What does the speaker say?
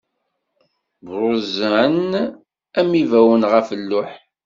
Bruzzɛen am ibawen ɣef lluḥ.